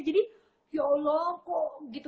jadi ya allah kok gitu